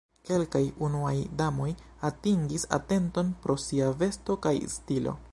Kelkaj unuaj damoj atingis atenton pro sia vesto kaj stilo.